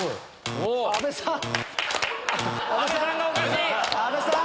阿部さん！